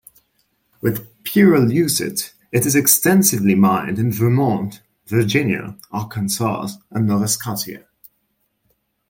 With pyrolusite it is extensively mined in Vermont, Virginia, Arkansas, and Nova Scotia.